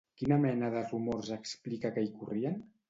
Quina mena de rumors explica que hi corrien?